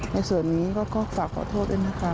ในส่วนนี้ก็ฝากขอโทษด้วยนะคะ